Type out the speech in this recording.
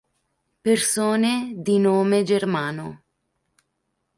Persone di nome Germano